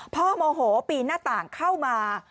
โมโหปีนหน้าต่างเข้ามา